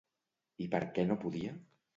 I per què no podia?